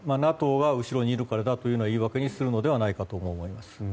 ＮＡＴＯが後ろにいるからという言い訳にするかと思います。